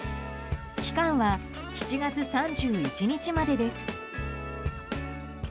期間は７月３１日までです。